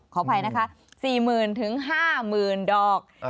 ขอโทษนะคะ๔๐๐๐๐ถึง๕๐๐๐๐ดอก